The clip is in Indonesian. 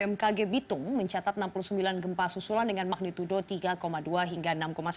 bmkg bitung mencatat enam puluh sembilan gempa susulan dengan magnitudo tiga dua hingga enam satu